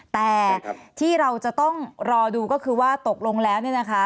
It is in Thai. แต่ที่เราจะต้องรอดูก็คือว่าตกลงแล้วเนี่ยนะคะ